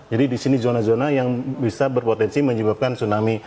jadi di sini zona zona yang bisa berpotensi menyebabkan tsunami